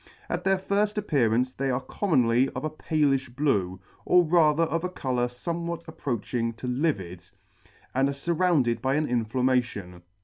At their firft appearance they are com monly of a paiifh blue, or rather of a colour fomewhat approaching to livid, and are furrounded by an inflammation.